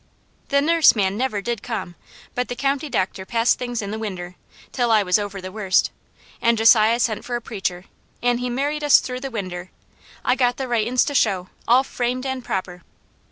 "The nuss man never did come, but the county doctor passed things in the winder, till I was over the worst, an' Josiah sent for a preacher an' he married us through the winder I got the writin's to show, all framed an' proper.